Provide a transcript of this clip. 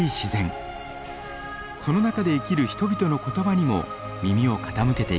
その中で生きる人々の言葉にも耳を傾けていきます。